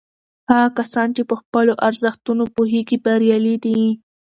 هغه کسان چې په خپلو ارزښتونو پوهیږي بریالي دي.